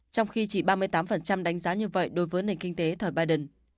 trong khi chỉ ba mươi tám đánh giá như vậy đối với nền kinh tế thời biden